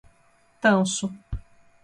Tanso